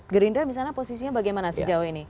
gerindra misalnya posisinya bagaimana si jawa ini